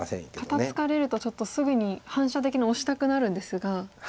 肩ツカれるとちょっとすぐに反射的にオシたくなるんですが。